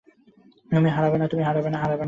তুমি হারাবে না।